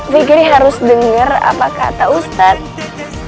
fikri harus dengar apa kata ustadz